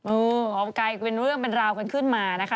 เออกลายเป็นเรื่องเป็นราวกันขึ้นมานะคะ